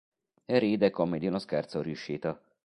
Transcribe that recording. E ride come di uno scherzo riuscito.